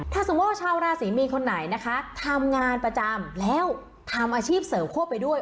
ถ้าสมมุติว่าชาวราศรีมีนคนไหนนะคะทำงานประจำแล้วทำอาชีพเสริมควบไปด้วย